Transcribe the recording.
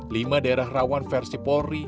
lima daerah rawan versi polri